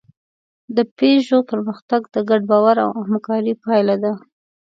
د پيژو پرمختګ د ګډ باور او همکارۍ پایله ده.